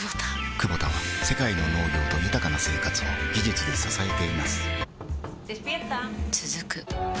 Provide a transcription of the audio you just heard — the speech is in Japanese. クボタは世界の農業と豊かな生活を技術で支えています起きて。